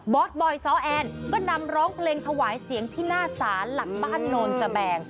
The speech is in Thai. สบอยซ้อแอนก็นำร้องเพลงถวายเสียงที่หน้าศาลหลักบ้านโนนสแบง